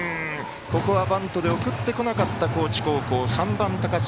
ここはバントで送ってこなかった高知高校、３番、高塚。